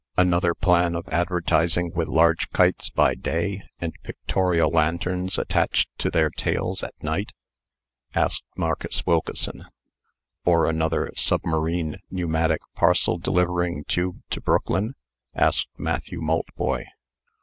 "Another plan of advertising with large kites by day, and pictorial lanterns attached to their tails at night?" asked Marcus Wilkeson. "Or another Submarine Pneumatic Parcel Delivering Tube to Brooklyn?" asked Matthew Maltboy.